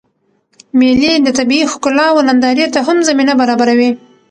مېلې د طبیعي ښکلاوو نندارې ته هم زمینه برابروي.